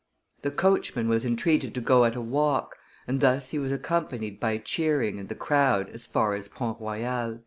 The coachman was entreated to go at a walk, and thus he was accompanied by cheering and the crowd as far as Pont Royal."